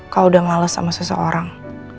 kau udah males sama seseorang